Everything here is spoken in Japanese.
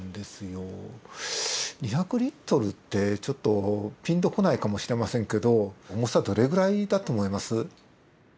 ２００Ｌってちょっとピンと来ないかもしれませんけど重さどれぐらいだと思います？